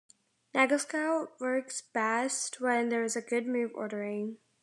NegaScout works best when there is a good move ordering.